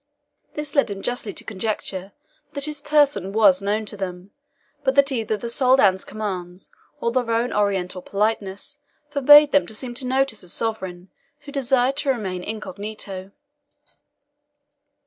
This led him justly to conjecture that his person was known to them; but that either the Soldan's commands, or their own Oriental politeness, forbade them to seem to notice a sovereign who desired to remain incognito.